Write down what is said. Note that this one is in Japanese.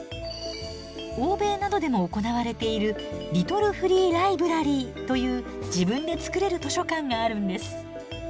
欧米などでも行われているリトルフリーライブラリーという自分で作れる図書館があるんです。